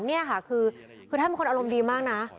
คือท่านเป็นคนอารมณ์ดีมากนะ